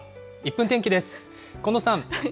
１分天気です。